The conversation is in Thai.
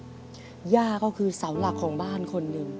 จริงแล้วนี่ย่าก็คือเสาหลักของบ้านคนหนึ่ง